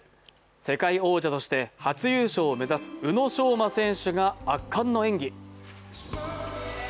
世界王者として初優勝を目指す宇野昌磨選手が圧巻の演技。